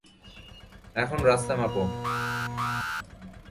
এখন রাস্তা মাপো।